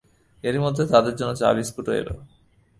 এরই মধ্যে তাদের জন্যে চা-বিস্কুটও এল।